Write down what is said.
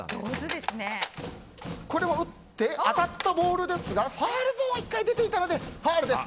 打って、当たったボールですがファウルゾーンを１回出ていたのでファウルです。